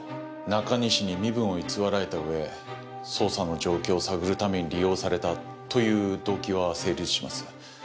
中西に身分を偽られた上捜査の状況を探るために利用されたという動機は成立します。